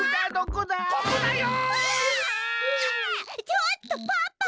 ちょっとパパ！